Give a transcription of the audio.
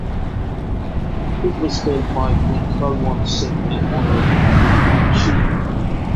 It was built by King Balwant Singh in honour of Hindu god Shiva.